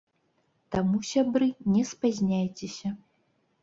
Таму, сябры, не спазняйцеся!